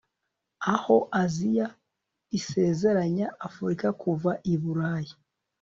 Aho Aziya isezeranya Afrika kuva i Burayi